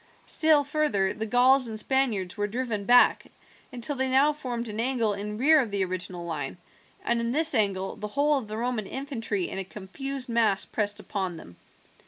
Still further the Gauls and Spaniards were driven back until they now formed an angle in rear of the original line, and in this angle the whole of the Roman infantry in a confused mass pressed upon them.